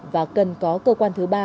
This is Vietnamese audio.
và cần có cơ quan thứ ba